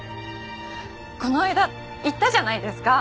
この間言ったじゃないですか。